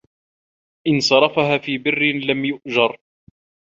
إنْ صَرَفَهَا فِي بِرٍّ لَمْ يُؤْجَرْ